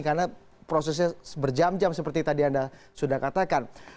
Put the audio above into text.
karena prosesnya berjam jam seperti tadi anda sudah katakan